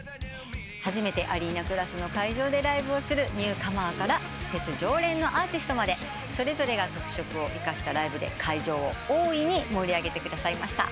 初めてアリーナクラスの会場でライブをするニューカマーからフェス常連のアーティストまでそれぞれが特色を生かしたライブで会場を大いに盛り上げてくださいました。